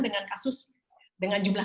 dengan kasus dengan jumlah